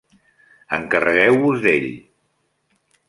Encarregueu-vos d'ell.